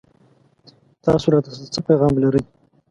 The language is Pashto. تاسو راته څه پيغام لرئ